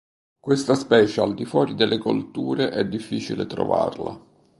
Questa specie al di fuori delle colture è difficile trovarla.